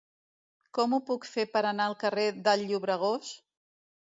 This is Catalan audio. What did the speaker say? Com ho puc fer per anar al carrer del Llobregós?